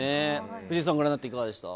藤井さん、ご覧になっていかがでした？